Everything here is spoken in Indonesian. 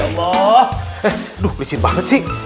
aduh licin banget sih